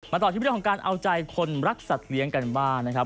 ต่อที่เรื่องของการเอาใจคนรักสัตว์เลี้ยงกันบ้างนะครับ